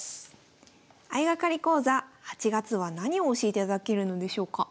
相掛かり講座８月は何を教えていただけるのでしょうか？